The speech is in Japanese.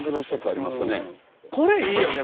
これいいよね